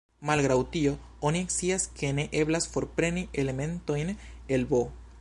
Malgraŭ tio, oni scias ke ne eblas forpreni elementojn el "B".